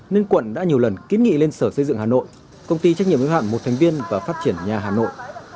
nên quận đã nhiều lần kiến nghị lên sở xây dựng hà nội công ty trách nhiệm ứng hạm một thành viên và phát triển nhà hà nội